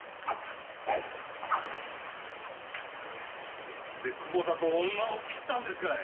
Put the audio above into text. そいつで久保田と女を斬ったんですかい！